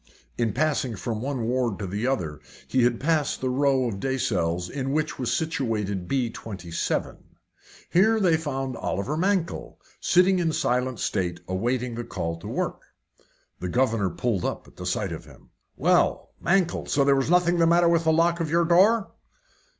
In passing from one ward to the other, he had passed the row of day cells in which was situated B 27. Here they found Oliver Mankell sitting in silent state awaiting the call to work. The governor pulled up at the sight of him. "Well, Mankell, so there was nothing the matter with the lock of your door?"